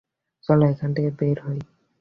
চলো এখান থেকে বের হই।